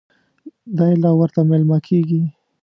دی لا ورته مېلمه کېږي.